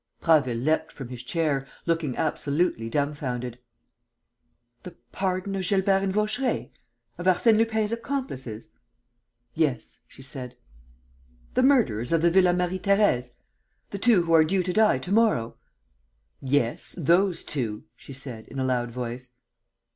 Prasville leapt from his chair, looking absolutely dumbfounded: "The pardon of Gilbert and Vaucheray? Of Arsène Lupin's accomplices?" "Yes," she said. "The murderers of the Villa Marie Thérèse? The two who are due to die to morrow?" "Yes, those two," she said, in a loud voice.